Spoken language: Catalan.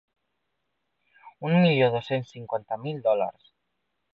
Un milió dos-cents cinquanta mil dòlars.